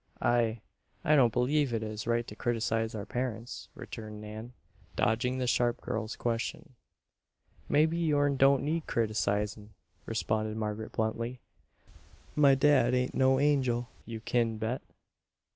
"I, I don't believe it is right to criticize our parents," returned Nan, dodging the sharp girl's question. "Mebbe yourn don't need criticizin'," responded Margaret, bluntly. "My dad ain't no angel, you kin bet."